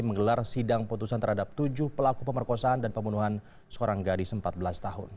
menggelar sidang putusan terhadap tujuh pelaku pemerkosaan dan pembunuhan seorang gadis empat belas tahun